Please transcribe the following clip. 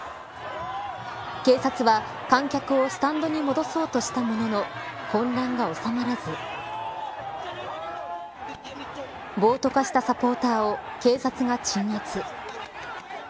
警察は、観客をスタンドに戻そうとしたものの混乱が収まらず暴徒化したサポーターを警察が鎮圧。